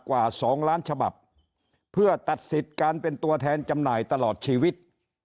กว่า๒ล้านฉบับเพื่อตัดสิทธิ์การเป็นตัวแทนจำหน่ายตลอดชีวิต